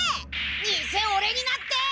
偽オレになって！